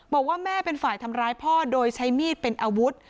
บอกว่าแม่เป็นฝ่ายทำร้ายพ่อโดยใช้มีดเป็นอาวุธ